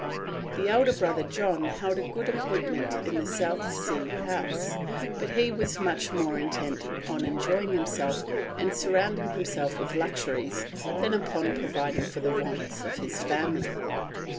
The elder brother, John, held a good appointment in the South Sea House, but he was much more intent on enjoying himself and surrounding himself with luxuries than upon providing for the wants of his family.